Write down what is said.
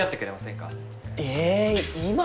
え今？